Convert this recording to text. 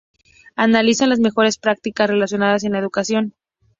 Analizan las mejores prácticas relacionadas con la educación.